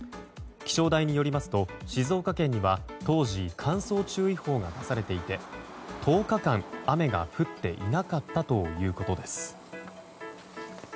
気象台によりますと静岡県には当時、乾燥注意報が出されていて１０日間、雨が降っていなかったということです。